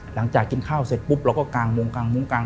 หลังจากกินข้าวเสร็จปุ๊บเราก็กางมุงกาง